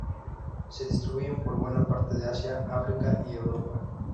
Se distribuyen por buena parte de Asia, África y Europa.